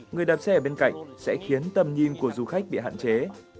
người đạp xe ở bên cạnh sẽ khiến tầm nhìn của du khách bị hạn chế